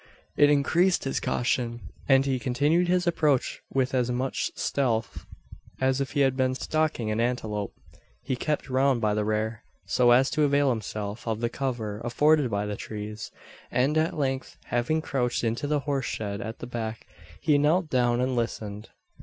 It increased his caution; and he continued his approach with as much stealth, as if he had been stalking an antelope. He kept round by the rear so as to avail himself of the cover afforded by the trees; and at length, having crouched into the horse shed at the back, he knelt down and listened.